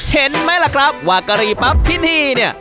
เห็นไหมล่ะครับว่ากะหรี่ปั๊บที่นี่เนี่ย